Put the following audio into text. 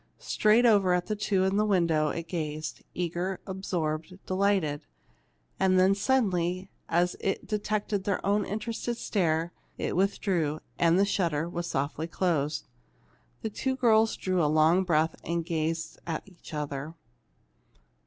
Straight over at the two in the window it gazed, eager, absorbed, delighted. And then suddenly, as it detected their own interested stare, it withdrew, and the shutter was softly closed. The two girls drew a long breath and gazed at each other.